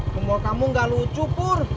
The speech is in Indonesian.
membawa kamu gak lucu pur